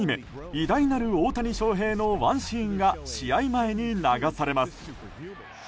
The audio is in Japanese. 「偉大なる大谷翔平」のワンシーンが試合前に流されます。